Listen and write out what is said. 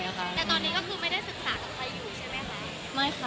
แต่ตอนนี้ก็คือไม่ได้ศึกษากับใครอยู่ใช่ไหมคะ